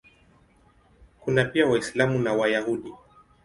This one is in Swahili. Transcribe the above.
Kuna pia Waislamu na Wayahudi.